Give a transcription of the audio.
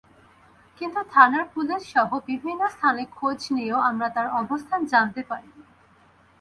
কিন্তু থানার পুলিশসহ বিভিন্ন স্থানে খোঁজ নিয়েও আমরা তার অবস্থান জানতে পারিনি।